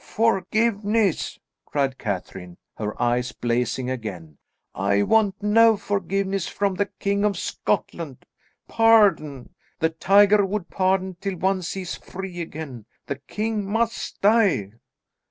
"Forgiveness!" cried Catherine, her eyes blazing again. "I want no forgiveness from the king of Scotland. Pardon! The tiger would pardon, till once he is free again. The king must die."